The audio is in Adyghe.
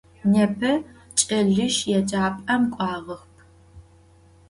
Nêpe ç'eliş yêcap'em k'uağep.